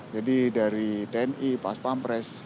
jadi dari tni pas pampres